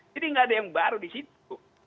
jadi tidak ada yang baru di situ